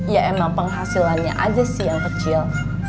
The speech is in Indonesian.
ya emang penghasilannya aja sih yang kecil